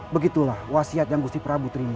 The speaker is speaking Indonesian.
begitulah wasiat yang gusti prabu terima